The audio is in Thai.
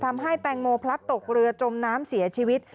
ทำให้แตงโมพลัดตกเรือจมน้ำเสียชีวิต